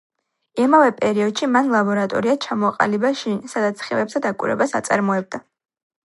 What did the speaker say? იმავე პერიოდში მან ლაბორატორია ჩამოაყალიბა შინ, სადაც სხივებზე დაკვირვებას აწარმოებდა.